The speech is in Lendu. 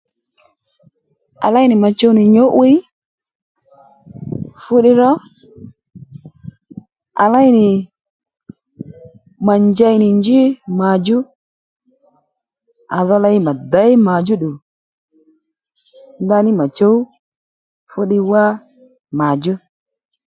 À léy nì mà chuw nì nyǔ'wiy fúddiy ró à léy nì mà njey nì njí màdjú à dho ley mà děy màdjú ddù ndaní mà chǔw fúddiy wá màdjú